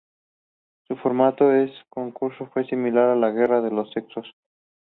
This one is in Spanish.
Su formato de concurso fue similar a La guerra de los sexos.